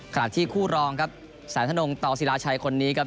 ขณะที่คู่รองครับแสนทนงต่อศิลาชัยคนนี้ครับ